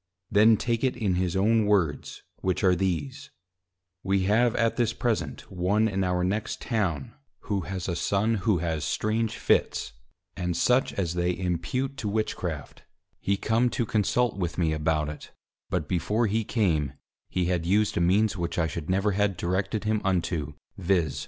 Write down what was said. Then take it in his own Words, which are these; 'We have at this present one in our next Town, who has a Son who has strange Fits, and such as they impute to Witchcraft: He come to consult with me about it, but before he came, he had used a means which I should never had directed him unto, _viz.